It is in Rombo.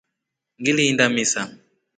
Ngilinda misa.